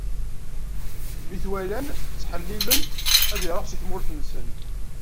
Mi t-walan, ttḥellilen-t ad iṛuḥ si tmurt-nsen.